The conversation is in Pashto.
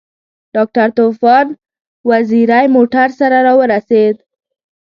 ډاکټر طوفان وزیری موټر سره راورسېد.